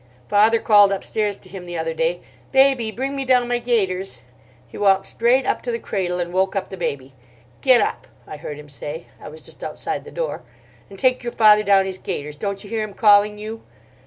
Father called upstairs to him the other day: 'Baby, bring me down my gaiters.' He walked straight up to the cradle and woke up the baby. 'Get up,' I heard him say—I was just outside the door—'and take your father down his gaiters. Don't you hear him calling you?